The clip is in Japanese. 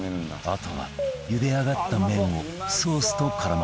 あとは茹で上がった麺をソースと絡ませる